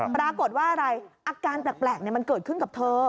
ปรากฏว่าอะไรอาการแปลกมันเกิดขึ้นกับเธอ